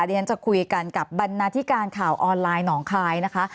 เดี๋ยวฉันจะคุยกันกับบรรณาธิการข่าวออนไลน์หนองคายนะคะ